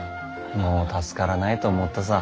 もう助からないと思ったさ。